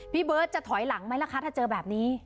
พี่เบิร์ตจะถอยหลังไหมล่ะคะถ้าเจอแบบนี้